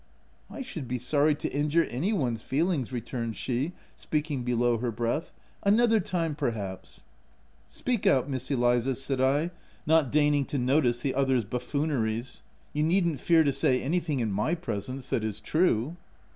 " I should be sorry to injure any one's feel ings/' returned she, speaking below her breath, " another time, perhaps." OF WILDFELL HALL, 189 " Speak out, Miss Eliza l" said I, not deign ing to notice the other's buffooneries, tc you needn't fear to say anything in my presence — that is true.